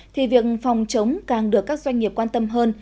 thì việc phòng chống càng được các doanh nghiệp quan tâm hơn